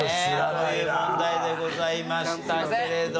という問題でございましたけれども。